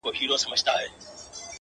هغه چي هيڅوک نه لري په دې وطن کي